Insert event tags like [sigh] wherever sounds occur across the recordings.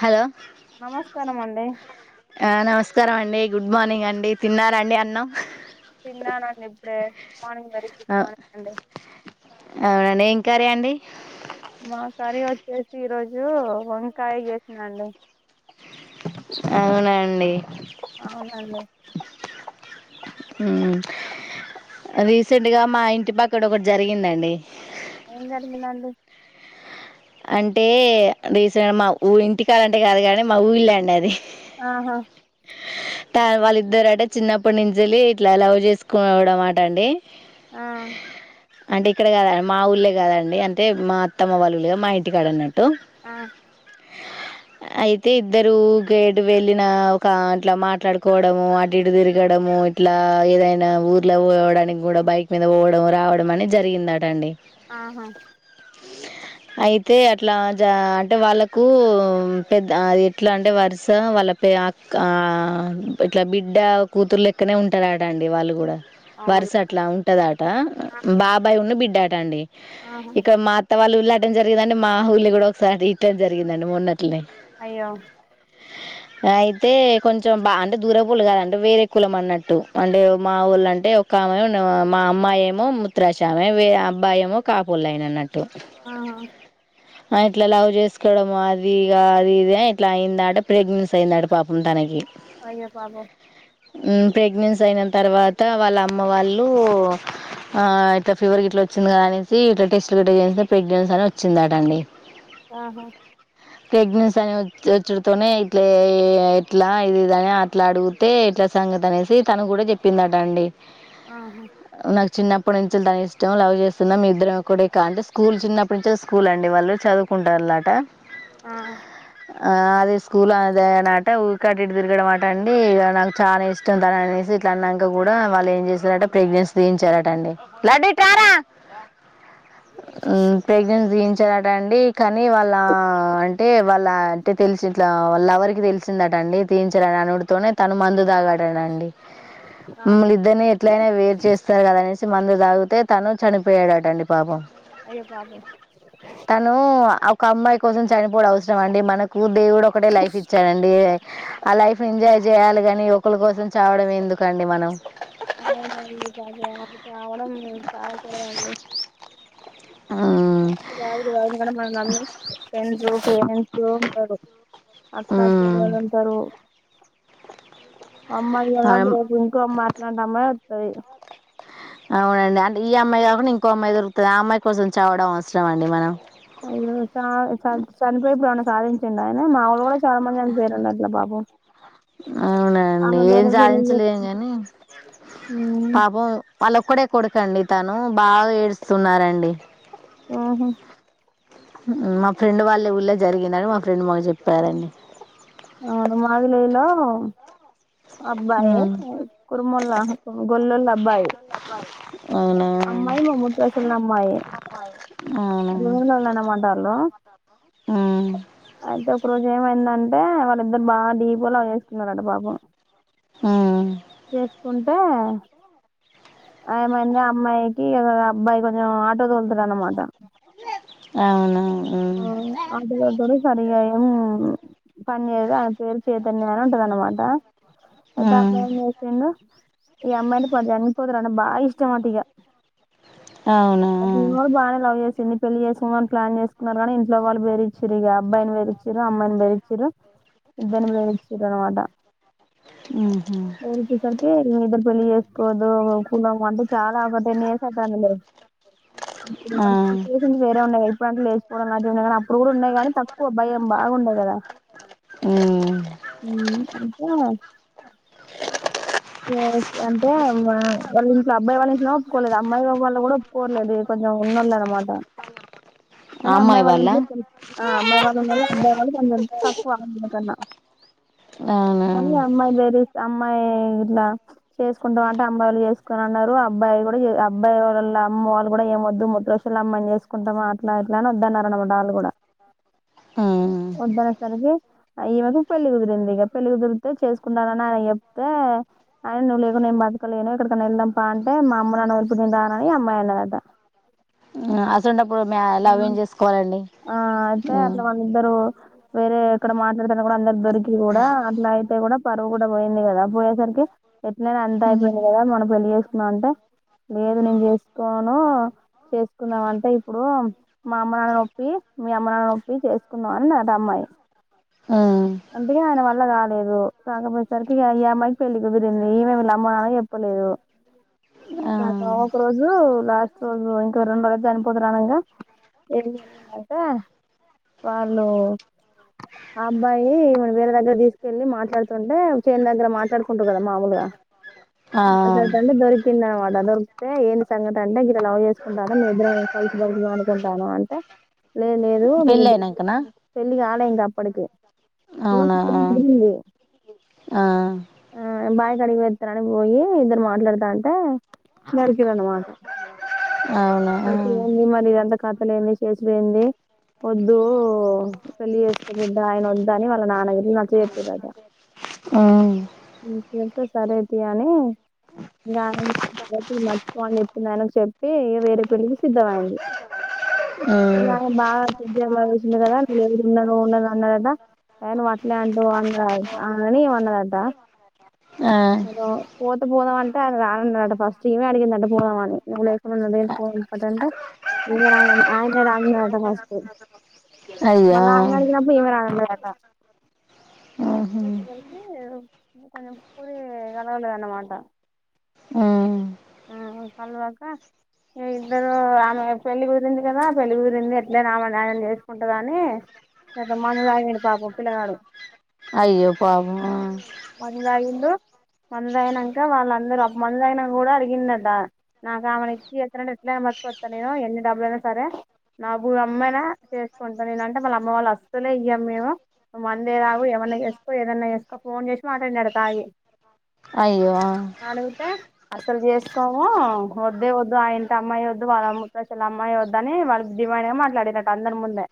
Hello నమస్కారం అండి డి గుడ్ మార్నింగ్ అండి తిన్నారండి అన్నం తిన్నానండీ ఇప్పుడే good morning very good morning అండి కర్రి అండి మా కర్రి వచ్చేసి ఈరోజు వంకాయ చేసిదండి అవునండి అవునండి మ్ రీసెంట్గా మా ఇంటి పక్కడ ఒకటి జరిగిందండి ఏం జరిగిందండీ అంటే రీసెంట్ మా ఊ ఇంటికడంటే కాదు కానీ మా ఊరిలే అండి అది ఆహా త వాళ్ళిద్దరు అట చిన్నప్పటి నుంచేళ్ళి ఇట్లా లవ్ చేసుకోడం అట అండి ఆ అంటే ఇక్కడ మా ఊళ్లేే కాదండి అంటే మా అత్తమ్మ వాల ఇల్లుకదు మా ఇంటికాడ అన్నట్టు ఆ అయితే ఇద్దరు గెడ్ వెళ్ళిన క అంట్లా మాట్లాడుకోవడము అటు ఇటు తిరగడము ఇట్లా ఏదైనా ఊర్లో పోవడానికి కూడా బైక్ మీద పోవడం రావడం అనీ జరిగిందట అండి ఆహా అయితే అట్లా జ అంటే వాళ్ళలకు పెద్ద ఆది ఎట్లా అంటే వరుస వాళ్ళ కా ఇట్లా బిడ్డ కూతుర్ లెక్కనే ఉంటాదట అండి వాళ్ళు కూడా అవును వరుస అట్లా ఉంటదాట ఆహా బాబాయ్ ఉన్ను బిడ్డటండి ఆహా ఇక్కడ మా అత్త వాళ్ళు ఉళ్ళఅట్టనే జరిగిందండి మా ఊల్ళ కూడా ఒకసారి ఇట్టనే జరిగిందండి మొన్నట్టనే అయ్యో ఆయిత్ తే కొంచెం బా అంటే దూర పులు కాదు అంటే వేరే కులం అన్నట్టు అంటే మా ఊళ అంటే ఒక మేనే ఉన్న మా అమ్మాయి ఏమో ముత్రాశమే వే అబ్బా ఏమో కాపోలు అయిన అన్నట్టు ఆహా ఆ ఇట్ల లవ్ చేసుకోవడం అవి ఇగ అది ఇది ఆట్లా అయిందట ప్రెగ్నెన్సీ అయిందట పాపం తనకి అయ్యో పాపం మ్ ప్రెగ్నెన్సీ అయిన తర్వాత వాళ్ళ అమ్మ వాళ్ళు ఆ ఇట్ల ఫీవర్ గిట్ల వచ్చింది కద అనేసి ఇట్లా టెస్ట్ గిట్ల చేయిస్తే ప్రెగ్నెన్సీ అని వచ్చిందట అండి ఆహా ప్రెగ్నెన్సీ అని వ వచ్చడతోనే ఇట్లా ఎట్లా ఇది ఇది అని అట్లా అడుగుతే ఈట్ల సంగతి అనేసి తను కూడా చెప్పిందట అండి ఆహా చిన్నప్పనుంచెలి దాని ఇష్టం లవ్ జేస్తున్నాం మీద్దరం కూడా ఇక అంటే స్కూల్ చిన్నపటి నుంచే స్కూల్ అండి వాళ్ళు చదువుక్ ఉంటాలట ఆ ఆ అదే స్కూల్ అదే అనట్ ఊరికే అటు ఇటు తిరిగడం అట అండి ఇగ నాకు చానా ఇష్టం తననేసి ఇట్లా అన్నంక గూడా వాళ్ళు ఏం జేశారట ప్రెగ్నెన్స్ దించారాటండి లడ్డు ఇటురారా మ్మ్ ప్రెగ్నెన్సీతీయించ టండి కాని వాళ్ళా అంటే వాళ్ళ అంటే తెల్సిట్ల వాలవర్ కీ తెల్ దాటండి తీయించరని అనుడుతోనే తను మందు తాగాడడండి ఆహా మిమల్లీదర్ని ఎట్లయినా వేరు జేస్తారు గదనేసి చ్ మందు దాగుతే తను చనిపోయాడటండి పాపం అయ్యో పాపం తను ఒక అమ్మాయి కోసం చనిపోవుడు అవసరం అండి మనకు దేవుడు ఒకటే లైఫ్ ఇచ్చాడండి ఆ లైఫ్ ఎంజాయ్ జేయాలి గాని ఒకల కోసం చావడం ఎందుకండి మనం అవునండీ పాపం చావడం చావకూడదండి హ్మ్. [unintelligible] ఫ్రెండ్స్ పేరెంట్స్ ఉంటారు హ్మ్. అక్కాచెల్లుంటారు అమ్మాయి గదా అండి అం రేపు ఇంకో అమాట్లాంటమ్మాయి వొత్తది అవునండి అంటే ఈ అమ్మాయి గాకుండా ఇంకో అమ్మాయి దొరుకుతది ఆ అమ్మాయి కోసం చావడం అవస్రమాండి మనం అయ్యో చా చచ్ చనిపోయేపుడు సాధించండి ఆయన మాల్ చానా మంది చనిపోయరండి అట్లా పాపం అవునండి ఆమె ఏం వేరే పెళ్లి జాధించలేము చేసుకుంది గని పాపం ఆళ్ళొక్కడే కొడుకండి తనూ బాగా ఏడుస్తున్నారండి ఆహా మా ఫ్రెండ్ వాళ్ళ ఊళ్ళే జరిగిందండి మా ఫ్రెండ్ మాక్ జెప్పారండి అవును మాదిలేలో అబ్బాయే ఉమ్ కుర్మోళ్ల గొల్లోళ్ళ అబ్బాయి అవునా అమ్మాయి మా ముద్రశోల్ల అమ్మాయే అవునా జూన్లెళ్ళనమంటార్రు ఉమ్ అయితే ఒక్ రోజు ఏమైందంటే వాళ్ళిద్దరు బాగా డీప్ గా లవ్ చేసుకున్నారట పాపం హ్మ్ టే ఏమైంది అ అమ్మాయికి విల అబ్బాయి కొంచం ఆటో తోలుతడు అన్నమాట అవునా ఉమ్ అవును ఆటోతొల్తాడు సరియంము పని జేయదు ఆయన పేరు చైతన్య అని అంటది అన్నమాట అయితే ఉమ్ అబ్బాయి ఏం జేసిండు ఈ అమ్మాయంటే పాడ్ [unintelligible] బా ఇష్టమట ఇగ అవునా అది పిల్ల కుడా బానే లవ్ జేసింది పెళ్లి చేసుకుందామని ప్లాన్ జెస్కుకునరు గానీ ఇంట్లో వాళ్ళు బేరిచ్చిరిగ అబ్బాయిని బెరిచ్చిరు అమ్మాయిని బేరిచ్చిరు ఇద్దర్ని బెదిరించిరన మాట మ్మ్ హు ఇద్దరు పెళ్లి జేసుకోవద్దు కులం అంటే చాలా ఒక టెన్ ఇయర్స్ అయితాందిలే అప్పుడు ఆ వేరే ఉన్నాయిగా ఇప్పుడు అంటే లేచిపోడం లాది ఉన్నాయి కానీ అప్పుడు కూడా ఉన్నాయి కాని తక్కువ భయం బాగుండే కదా ఊ మ్మ్ అంటే అంటే వాల్ ఇంట్లో అబ్బాయి వాళ్ళ ఇంట్లో ప్పుకోలేదు అమ్మాయిగా వాళ్ళు కూడా ఒప్పుకోలేదు కొంచెం ఉన్నోళ్ళు అన్నమాట ఆ కానీ అమ్మాయి వాళ్ళు వాళ్ళ ఇంట్లో అ అమ్మాయి వాళ్ళు ఇలలో అబ్బాయి వాళ్ళు కొంచం తక్కువ మనకన్న అవునా అని అమ్మ దేరిచ్ అమ్మాయి ఇట్లా చేసుకుంటాం అంటే అమ్మాయిలు చేసుకోనన్నారు అబ్బాయి అబ్బాయి వాళ్ళ అమ్మ వాళ్ళు కూడా ఏమి వద్దు. ముదిరాషోల్లా అమ్మాయిని చేసుకుంటామా, అట్లా ఇట్లా అని వద్దన్నారు అన్నమాట. వాళ్ళు కూడా ఉమ్ ఒద్దనె సరికి ఈవకు పెల్లి కుదిరింది ఇగా పెళ్ళి గుదిరితే చేసుకుంటానని ఆయన చెప్తే, ఆయన నువ్వు లేకుంటే నేను బతకలేను. ఎక్కడికన్నా వెళ్దంపా అంటే మా అమ్మ నాన్న ని వదిలి పెట్టి నేను రాను అని ఆ అమ్మాయి అన్నది అంట. మ్మ్ అసొంటప్పుడు మ్యా ఆ లవ్ ఏం చేసుకోవాలండి ఆ అయితే అట్లా మ్మ్ వాళ్లిద్దరూ వేరే ఎక్కడ మాట్లాడుతన్నా కూడా అందరికి దొరికి కూడా అట్లా అయితే కూడ పరువు కూడా పోయింది కదా. పోయేసరికి ఎట్లైనా అంత అయిపోయింది కదా. మనం పెళ్ళి చేసుకుందాం అంటే లేదు నేను చేసుకోను చేసుకుందాం అంటే ఇప్పుడు మా అమ్మ నాన్నలనొప్పియి మీ అమ్మ నాన్ననొప్పియి చేసు కుందాం అన్నదట అమ్మాయి మ్మ్ అందుకే ఆయన వల్ల కాలేదు కాకపోయేసరికి ఇగా ఈ అమ్మయి పెళ్లి కుదిరింది. ఈమే వీళ్ళ అమ్మ నాన్నలకు చెప్పలేదు. ఆ కా ఒక రోజు లాస్ట్ రోజు ఇంకా రెండు రోజులయితే చనిపోతరణంగా ఏం జరిగిందంటే వాళ్లు ఆబ్బాయి ఇమను వేరే దగ్గర తీసుకెళ్లి మాట్లాడుతుంటే, చేన్ దగ్గర మాట్లాడుకుంట్రు కదా మాముూలుగా ఆ మాట్లాడుతాంటే దొరి కిందనమాట దొరికితే ఏంది సంగతి అంటే గిట్ల లవ్ చేసుకుంటాన్నం. మేము ఇద్దరం కలిసి బ్రతుకుదాం అనుకుంటాన్నం. అంటే లేదు పెళ్ళి లేదు అయినంకనా పెళ్ళి కాలే ఇంక అప్పటికి ఈమకు అవునా పెళ్లి కుదిరింది. ఆ అ బాయికాడికి పోయిత్తానని పోయి ఇద్దరు మాట్లాడతాంటే నరికిరన్నమాట అవునా నరికి మ్మ్ మరిఇదంతా కథలు ఏంది చేసుడెంది వద్దు పెళ్లి చేసుకొ బిడ్డ ఆయన వ ద్దని వాళ్ళ నాన్నగిట్ల నచ్చచెప్పిరట. మ్మ్ సరేతియని బ్లాంక్ ఇంగ మర్చిపో అని చెప్పింది. ఆయనకు చెప్పి ఇగ వేరే పెళ్లికి సిద్ధంమయింది. ఇంగ బాగా దగ్గర్ల లా చూసిండు కదా నేను ఉండను. ఉండను అన్నడట ఏ నువు అట్లే అంటవ్ అని ఈమె అన్నదంట ఆ ద పోతే పోదామంట రానన్నాడంట ఫస్ట్ ఈమే అడిగిందంట. పోదామని నువు లేకుండ [unintelligible] ఇయన రాన ఆయన రాన న్నడట ఫస్టు అయ్యో మళ్ళ ఆయనడిగినప్పుడు ఈమె రానన్నదట. మ్మ్ [unintelligible] కొంచం కురికలవడంలేదనమాట ఉమ్ ఆ కల్వక ఇద్దరు ఆమె పెళ్ళి కుదిరింది కదా పెళ్లి కుదిరింది. ఎట్లాయినా ఆమె ఆయనని చేసుకుంటదని ఎంత మందు తాగిండు పాపం పిల్లగాడు అయ్యో పాపం మందు తాగిండు మందు తాగినంక వాళ్ళ మందు తాగినంకా కూడా అడిగిండంట. నాకు ఆమెను ఇప్పియ్యాకరి ఎట్లాయినా బ్రతికోస్తా నేను ఎన్ని డబ్బులు సరే నా భూమి అమ్మయినా చేసుకుంటా. నేనంటే వాళ్ళ అమ్మవాళ్ళు అస్సలే ఇయ్యము మేము మందే తాగు ఏమన్న చేసుకో ఏదన్నా చేసుకో ఫోన్ చేసి మాట్లాడింట తాగి అయ్యో అలుగుతే అసలు చేసుకోము వద్దే వద్దు ఆ ఇంటి అమ్మాయి వద్దు వాళ్ళ అమ్మ కసలు అమ్మాయే వద్దు అని వాళ్ళు డిమాండ్గా మాట్లాడిరట అందరి ముందే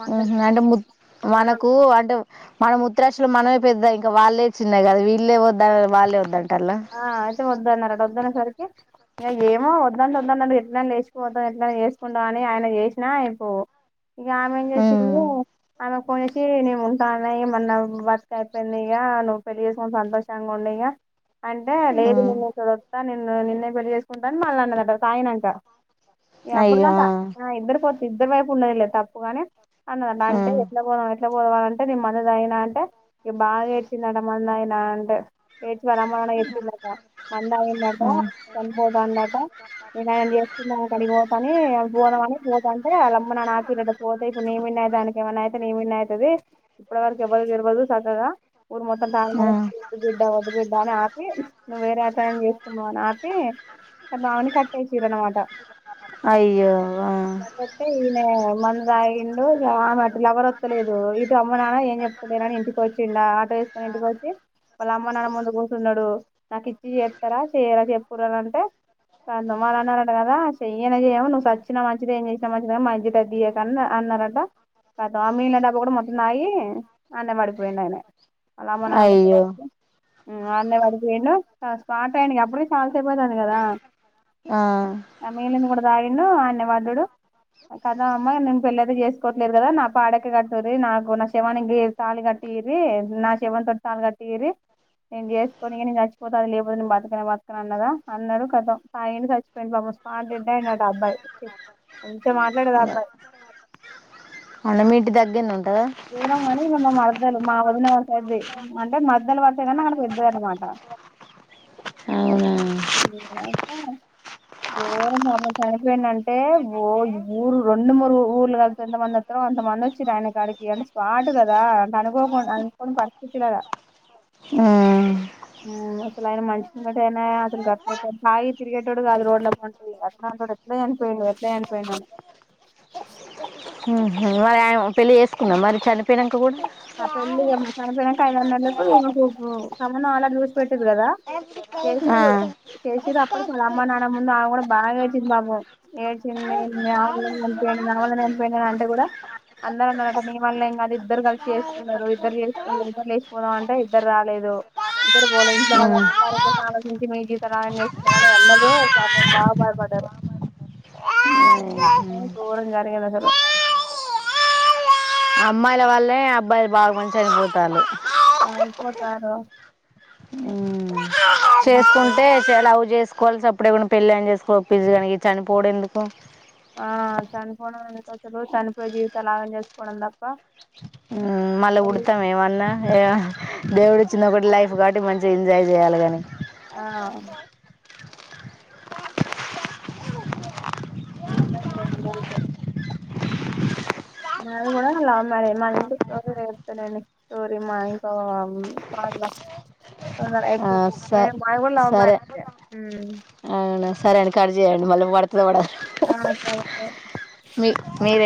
మాట్లాడితే హ్మ్ అంటే ము మనకు అంటే మన ముత్రాష్ మనమె పెద్దా ఇంకా వాళ్ళే చిన్న కదా వీళ్ళే వద్దానాలి వాళ్లే వద్దంటు ఆ అయితే వద్దు అన్నరట వద్దనే సరికి ఇగ ఏమో వద్దంటె వద్దన్నాడు ఎట్లనే లేచిపోతాం ఎట్లాయినా చేసుకుంటాం అని ఆయనకి చేసినా అయిపోవు ఇగ ఆమెం చేసింది మ్మ్ ఆమె ఫోన్ జేసీ నేను ఉంటాను. బతుక అయిపోయింది ఇగ నువ్వు పెళ్లి చేసుకొని సంతోషంగా ఉండి అంటే లేదు నిన్నే ఒకసారి కల్తా నిన్ను నిన్నే పెళ్ళి చేసుకుంట మళ్ళీ అన్నాడట తాగినంకా అయ్యో అప్పటిదాకా ఆ అ ఇద్దరు పో ఇద్దరి వైపు ఉన్నది లే తప్పుగాని అన్నదిట్ అంటే ఎట్లా పోదాం ఎట్లా పోదామాలంటే నీ మందు అయినా అంటే ఇగ బాగా ఏడ్చిందంట మందు తాగినాంటే ఏడ్చి వాళ్ళ అమ్మ న ఎప్పిందంట ఆ మందగిందేమో చనిపోతందట నేను ఆయనని జేసుకునే కడిగి పోతా అని పోదామని పోతాంటే వాళ్ళ అమ్మనాన్న ఆపిరట పోతే ఇప్పుడు నిమిదే దానికి ఏమైనా అయితే నిమీధనే ఐతది ఇప్పటి వరకు ఎవ్వరు తెల్వది చక్కగా ఊరు మొత్తం టం ఆ టం వద్దు బిడ్డా వద్దు బడ్డ ఆ నువ్వు వేరే అతని చేస్తుకున్నావు అని ఆపి ఆ బావ నీ కట్టేసిర్రు అన్నమాట అయ్యో ఆ అట్లంటే ఈయన మందు తాగిండు ఆమె అటు లవర్ ఒతలేదు ఇటు అమ్మ నాన్న ఏం చెప్తలేరాని ఇంటికి వచ్చిండు ఆటో చేసుకునీ ఇంటికి వోచి వల్ల అమ్మానాన్నా ముందు కోస్ న్నాడు నాకు ఇచ్చి చేస్తారా చేయరా చెప్పురు అని అంటే క మరి అన్నారటకదా చెయ్యనే చెయ్యము నువ్వు సచ్చిన మంచిది ఏం జెసినా మంచిడే గాని మా ఇజత్ ఐతే తీయక్ అని రటా ఆ మిగిలిన డబ్బా కూడా మొత్తం తాగి అనే పడిపోయిండు ఆయన వాళ్ళ అమ్మానాన్నా ముందర అయ్యో ఉమ్ అనే పడిపోయిండు స్మార్ట్ అయనిగ అప్పుడే చాలాసేపు అయితాంది కదా ఆ ఆ మిగిలింది కూడా తాగిండు అనే పడ్డడు కదా అమ్మా నేను పెళ్ళ అయితే చేసుకోవట్లేదు కదా నా పాడికే కట్టుర్రి నాకు నా శవానికి తాలి కట్టి ఇది నా సేవం తోటి తాళి కట్టి ఇర్రి నేను చేసుకోనిను ఇగ నేను చచ్చిపోతా అది లేపోదును బతకనే బతుక అన్నదా అన్నాడు కతం తాగిండు చచ్చిపోయింది పాపం స్పాట్ డెడ్ అయ్యిండు అంట అబ్బాయి మంచిగా మాట్లాడేది ఆ అబ్బాయి అన్న మీ ఇంటి దగ్గరన ఉ దూరంగాని ఇగ మా మర్ మరదలు మా వదిన వాళ్ళా సైడ్ ది అంటే మర్దల్ వరుస కానీ ఆవిడ పెద్ద అనమాట అవునా అయితే గోరము ఆమె చనిపోయింది అంటే ఓ ఊరు రెండు మూరు ఊర్లు కల్పితే ఎంతమంది ఓతారో అంత మంది వచ్చిర్రు ఆయన కాడికి అంటే స్పాట్ కదా అంట అనుకోకుండా అనుకోని పరిస్థితి కదా మ్ అసలు ఆయన మషిన కంట ఏనా కాగి తిగేటోడు కాదు రోడ్లెంబట అట్లాంటోడు ఎట్ల చనిపోయిండు ఎట్ల చనిపోయిండు అని ఉహు మరి ఆమె పెళ్ళి చేసుకుంద మరి చనిపోయినంక కూడా ఆ పెళ్ళి ఇగ చనిపోయాంక ఐదు ఆరు నెలలకు ఈమెకు సంబంధం ఆల్రెడీ చూసి పెట్టిర్రు కదా ఆ చేసిరు చేసిరు అప్ అప్పుడకి వాళ్ళ అమ్మ నాన్న ముందు ఆమె కూడా బాగా ఏడ్చింది పాపం ఏడ్చింది నావల్నే చనిపోయిండు నావల్నే చనిపోయిండు అని చనిపోయినారు అంటే కూడా అందరు అన్నారు అంట నీవల్ల ఏం కాదు ఇద్దరు కలిసి చేస్ కున్నారు ఇద్దరు చేసుకున్నారు ఇద్దరు లేచిపోదాం అంటే ఇద్దరు రాలేదు ఇద్దరు పోలే ఇంట్లో వాళ్ళ ఉమ్ వారి కోసం ఆలోచించి మీ జీవితం ఆగం చేసుకున్నారని అందరు పాపం బాగా బాదపడ్ డారు అ గోరం జరిగింది అసలు అమ్మాయిల వల్లే అబ్బాయిలు బాగా మంది చనిపోతాలు అయిపోతారు చేసుకుంటే చలావు చేసుకు ఎప్పుకోవాల్సి అప్పుడేమైనా పెళ్ళి చేసుకో ఒప్పించి కానీ చనిపోవడం ఎందుకు? ఆ చనిపోడం అసలు చనిపోయి జీవితాలు ఆగం చేసుకోవడం తప్ప. ఊ మళ్ళ ఏమి- పుడ్తం ఏమన్న ఏ దేవుడుచ్చింది ఒకటె లైఫ్ కాబట్టి మంచిగా ఎంజాయ్ చేయాలి గని ఆ ఉంటా ఏమన్న అంటే మాది గుడ లవ్ మారె మాది ఇంకా స్టోరీ [unintelligible] స్టోరీ మా ఇంకా వా [unintelligible] స మేం మాది గుడ లవ్ సరే మ్యారేజె మ్ అవునా సరే అండి కడ్ చేయండి మళ్ళీ వాడ్ ఆ సరే సరే మీ మీరే